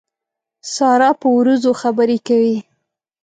سارا په وروځو خبرې کوي.